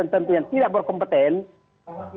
tentu yang tidak berkompetensi